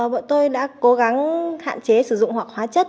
bọn tôi đã cố gắng hạn chế sử dụng hoặc hóa chất